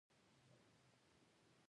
سوله ييزه طريقه په هر حال کې د عمل وړ ده.